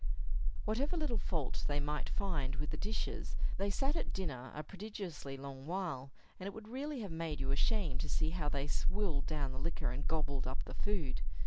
Whatever little fault they might find with the dishes, they sat at dinner a prodigiously long while; and it would really have made you ashamed to see how they swilled down the liquor and gobbled up the food.